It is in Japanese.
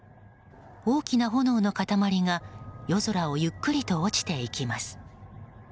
大きな炎の塊が夜空をゆっくりと落ちていきます。